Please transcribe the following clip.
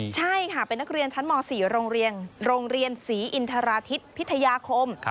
ใช่ค่ะเป็นนักเรียนชั้นม๔โรงเรียนโรงเรียนศรีอินทราทิศพิทยาคม